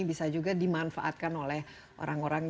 bisa juga dimanfaatkan oleh orang orang